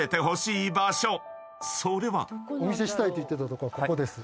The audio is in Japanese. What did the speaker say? ［それは］お見せしたいと言ってたとこはここです。